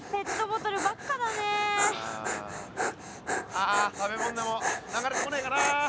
あ食べ物でも流れてこねえかな。